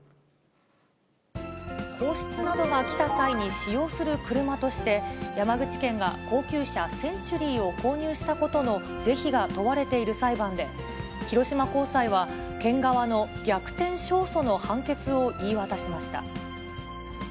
皇室などが来た際に使用する車として、山口県が高級車、センチュリーを購入したことの是非が問われている裁判で、広島高裁は、県側の逆転勝訴の判決を言い渡しました。